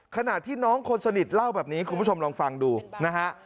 ขณะที่น้องคนสนิทเล่าแบบนี้คุณผู้ชมลองฟังดูนะฮะ